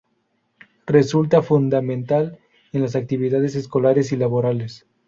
Resulta fundamental en las actividades escolares y laborales.